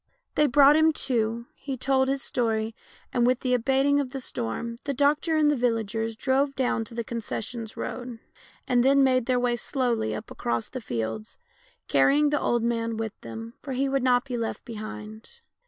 They brought him to, he told his story, and, with the abating of the storm, the doctor and the vil lagers drove down to the concession road, and then 198 THE LANE THAT HAD NO TURNING made their way slowly up across the fields, carrying the old man with them, for he would not be left be hind.